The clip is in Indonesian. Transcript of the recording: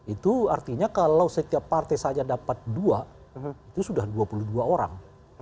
itu artinya kalau setiap partai saja dapat dua itu sudah dua puluh dua orang